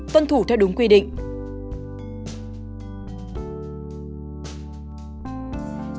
tuân thủ theo đúng quy định